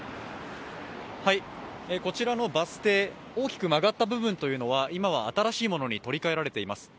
こちらのバス停、大きく曲がった部分は今は新しいものに取り替えられています。